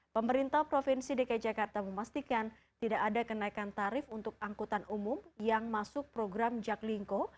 pemerintah provinsi dki jakarta memastikan tidak ada kenaikan tarif untuk angkutan umum yang masuk program jaklingko